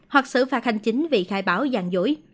hoặc xử phạt hành chính vì khai báo dàn dũi